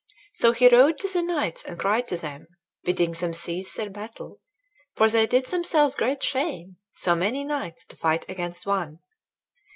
So he rode to the knights and cried to them, bidding them cease their battle, for they did themselves great shame, so many knights to fight against one.